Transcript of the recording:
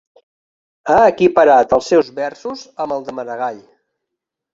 Ha equiparat els seus versos amb els de Maragall.